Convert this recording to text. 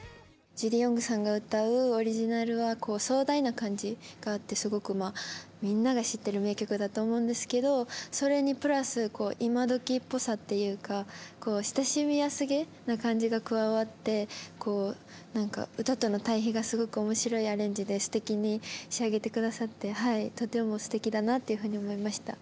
ジュディ・オングさんが歌うオリジナルは壮大な感じがあってすごくみんなが知ってる名曲だと思うんですけどそれにプラス今どきっぽさっていうか親しみやすげな感じが加わってこう何か歌との対比がすごく面白いアレンジですてきに仕上げてくださってとてもすてきだなっていうふうに思いました。